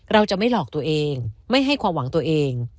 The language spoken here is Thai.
เราจะไม่หลอกตัวเองไม่ให้ความหวังตัวเอง